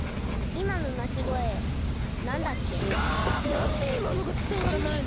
なんでいまのがつたわらないの？